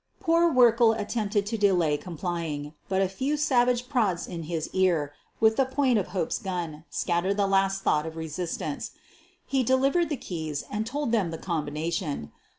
Poor Werkle attempted to delay complying, but a few savage prods in his ear with the point of Hope's gun scattered the last thought of resistance. He delivered the keys and told them the combina tion.